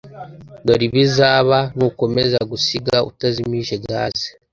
Dore ibizaba nukomeza gusiga utazimije gaze .